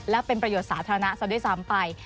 และเป็นประโยชน์สาธารณะซะด้วยซ้ำไป